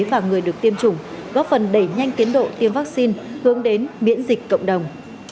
và người được tiêm chủng góp phần đẩy nhanh tiến độ tiêm vaccine hướng đến miễn dịch cộng đồng